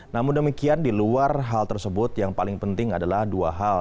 namun demikian di luar hal tersebut yang paling penting adalah dua hal